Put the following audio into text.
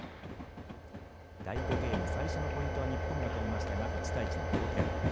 第５ゲーム、最初のポイントは日本が取りましたが１対１の同点。